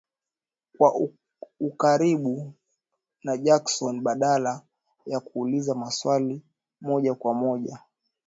kwa ukaribu na Jackson badala ya kuuliza maswali ya moja kwa moja